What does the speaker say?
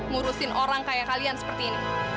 ngurusin orang kayak kalian seperti ini